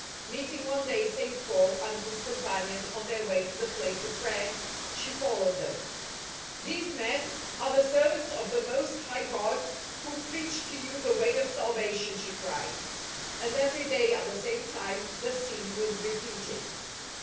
Meeting one day St. Paul and his companions on their way to the place of prayer, she followed them. " These men are the servants of the most SECOND JOURNEY 63 High Godj who preach to you the way of salvation," she cried, and every day at the same time the scene was repeated.